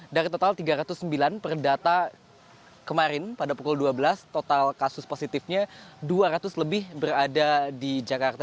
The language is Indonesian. dari total tiga ratus sembilan per data kemarin pada pukul dua belas total kasus positifnya dua ratus lebih berada di jakarta